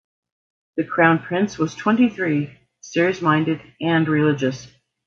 The crown prince was twenty-three, serious-minded, and religious.